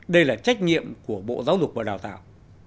đây là trách nhiệm của bộ giáo dục và đào tạo